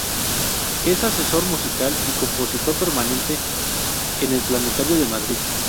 Es asesor musical y compositor permanente en el Planetario de Madrid.